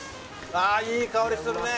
ああいい香りするね！